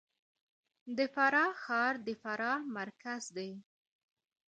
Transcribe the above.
د فراه ښار د فراه مرکز دی